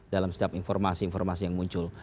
dalam setiap informasi informasi yang muncul